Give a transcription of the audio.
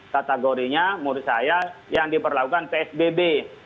kategorinya menurut saya yang diperlakukan psbb